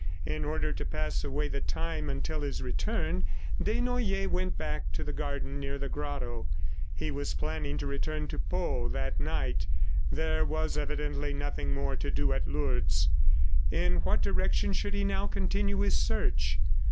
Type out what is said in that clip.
In order to pass away the time until his return, Desnoyers went back to the garden near the grotto. He was planning to return to Pau that night; there was evidently nothing more to do at Lourdes. In what direction should he now continue his search?